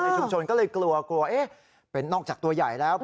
ชุมชนก็เลยกลัวกลัวเป็นนอกจากตัวใหญ่แล้ว